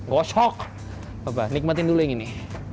rosok nikmatin dulu yang ini